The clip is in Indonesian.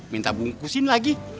minta bungkusin lagi